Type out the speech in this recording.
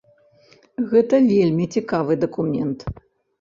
Гэта вельмі цікавы дакумент.